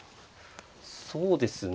そうですね